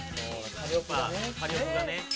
火力がね。